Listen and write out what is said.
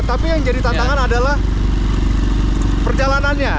tapi yang jadi tantangan adalah perjalanannya